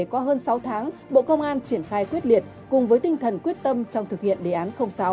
qua hơn sáu tháng bộ công an triển khai quyết liệt cùng với tinh thần quyết tâm trong thực hiện đề án sáu